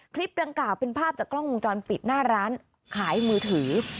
คลิปดังกล่าวเป็นภาพจากกล้องวงจรปิดหน้าร้านขายมือถือ